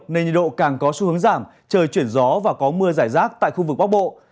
nên nhiệt độ càng có xu hướng giảm trời chuyển gió và có mưa giải rác tại khu vực bắc bộ